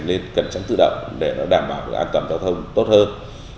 lên cần chắn tự động để nó đảm bảo an toàn giao thông tốt hơn